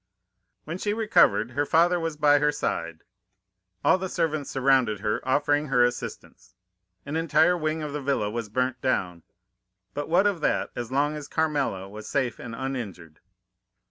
When she recovered, her father was by her side. All the servants surrounded her, offering her assistance. An entire wing of the villa was burnt down; but what of that, as long as Carmela was safe and uninjured?